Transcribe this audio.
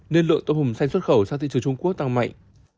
nên lượng tôm hùm xanh xuất khẩu sang thị trường trung quốc tăng mạnh